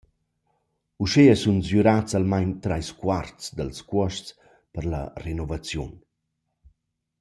«Uschea sun sgürats almain trais quarts dals cuosts per la renovaziun.»